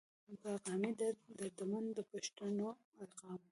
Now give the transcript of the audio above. پۀ قامي درد دردمند د پښتون قام